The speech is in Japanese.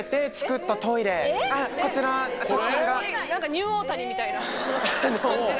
ニューオータニみたいな感じの。